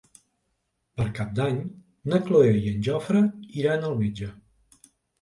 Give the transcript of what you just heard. Per Cap d'Any na Cloè i en Jofre iran al metge.